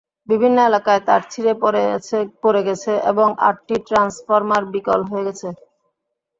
বিভিন্ন এলাকায় তার ছিঁড়ে পড়ে গেছে এবং আটটি ট্রান্সফরমার বিকল হয়ে গেছে।